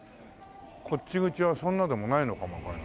こっち口はそんなでもないのかもわからない。